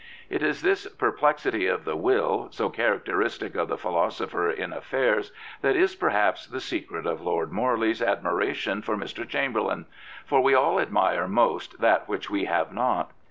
It is this perplexity of the will, so characteristic of the philosopher in affairs, that is perhaps the secret of Lord Morley' s admiration for Mr. Chamberlain, for we all admire most that which we have not.